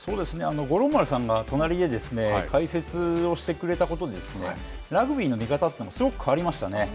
五郎丸さんが隣で解説をしてくれたことでラグビーの見方というのがすごく変わりましたね。